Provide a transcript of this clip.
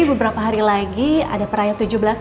beberapa hari lagi ada perayaan tujuh belas